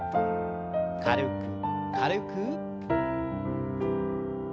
軽く軽く。